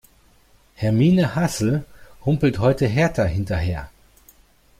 Hermine Hassel humpelt heute Hertha hinterher.